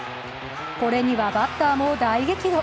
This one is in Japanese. これにはバッターも大激怒。